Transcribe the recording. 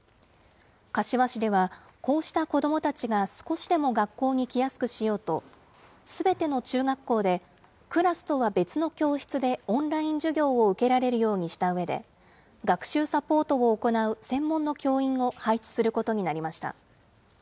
柏市では、こうした子どもたちが少しでも学校に来やすくしようと、すべての中学校でクラスとは別の教室でオンライン授業を受けられるようにしたうえで、学習サポートを行う専門の教員を配置することになりました。